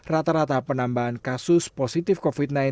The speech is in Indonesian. rata rata penambahan kasus positif covid sembilan belas